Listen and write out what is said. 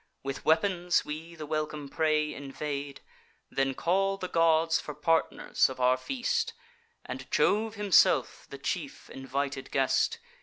With weapons we the welcome prey invade, Then call the gods for partners of our feast, And Jove himself, the chief invited guest.